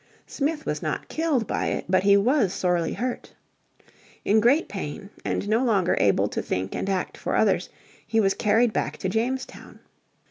Smith was not killed by it, but he was sorely hurt. In great pain, and no longer able to think and act for others, he was carried back to Jamestown.